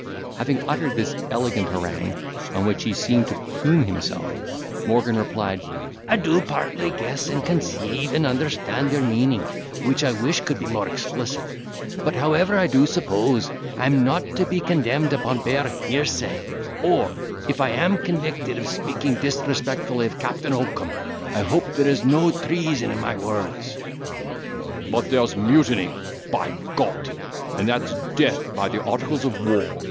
Having uttered this elegant harangue, on which he seemed to plume himself, Morgan replied, "I do partly guess, and conceive, and understand your meaning, which I wish could be more explicit; but, however, I do suppose, I am not to be condemned upon bare hearsay; or, if I am convicted of speaking disrespectfully of Captain Oakum, I hope there is no treason in my words." "But there's mutiny, by G—d, and that's death by the articles of war!"